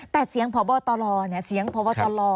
แต่เสียงพบตลเสียงพบตล